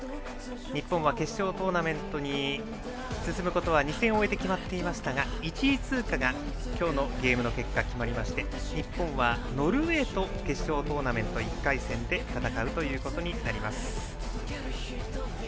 日本は決勝トーナメントに進むことは２戦を終えて決まっていましたが１位通過が今日のゲームの結果決まりまして日本はノルウェーと決勝トーナメント１回戦で戦うということになります。